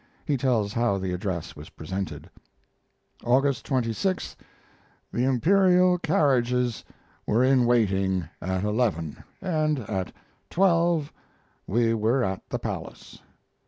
He tells how the address was presented: August 26th. The Imperial carriages were in waiting at eleven, and at twelve we were at the palace....